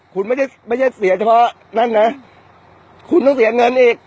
คุณไม่ได้ไม่ใช่เสียเฉพาะนั่นนะคุณต้องเสียเงินอีก